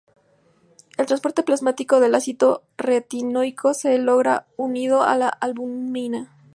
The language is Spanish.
El transporte plasmático del ácido retinoico se logra unido a la albúmina.